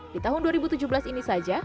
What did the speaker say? di tahun dua ribu tujuh belas ini saja